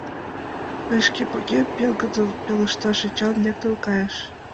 — Мый шке погем! — пеҥгыдын пелештыш Эчан, лектын кайыш...